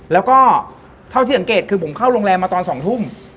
แล้วก็เท่าที่สังเกตคือผมเข้าโรงแรมมาตอน๒ทุ่ม